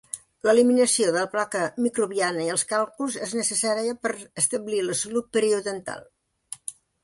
L'eliminació de la placa microbiana i els càlculs és necessària per establir la salut periodontal.